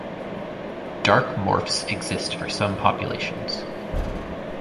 Dark morphs exist for some populations.